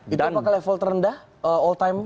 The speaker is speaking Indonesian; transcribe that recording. itu apakah level terendah all time